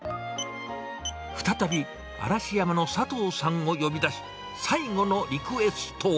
再び嵐山の佐藤さんを呼び出し、最後のリクエストを。